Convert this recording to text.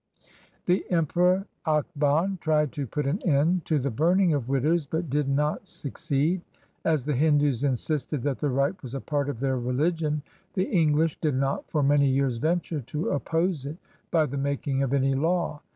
[The Emperor Akban tried to put an end to the burning of widows, but did not succeed. As the Hindus insisted that the rite was a part of their religion, the English did not for many years venture to oppose it by the making of any law.